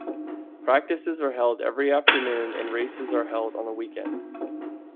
Practices are held every afternoon and races are held on the weekend.